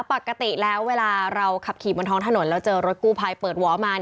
ปกติแล้วเวลาเราขับขี่บนท้องถนนแล้วเจอรถกู้ภัยเปิดวอมา